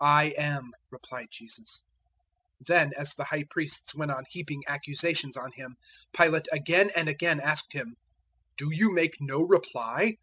"I am," replied Jesus. 015:003 Then, as the High Priests went on heaping accusations on Him, 015:004 Pilate again and again asked Him, "Do you make no reply?